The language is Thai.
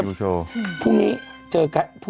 พรุ่งนี้เจอกัน